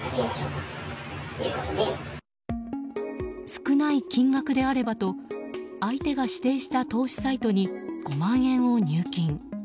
少ない金額であればと相手が指定した投資サイトに５万円を入金。